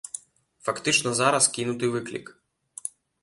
Фактычна зараз кінуты выклік.